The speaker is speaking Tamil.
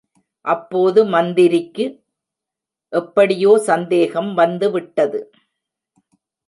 அப்போது மந்திரிக்கு எப்படியோ சந்தேகம் வந்து விட்டது.